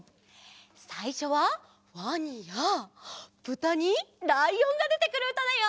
さいしょはわにやぶたにらいおんがでてくるうただよ。